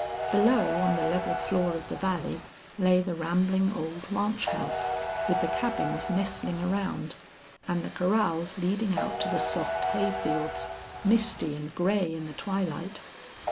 Below, on the level floor of the valley, lay the rambling old ranch house, with the cabins nestling around, and the corrals leading out to the soft hay fields, misty and gray in the twilight.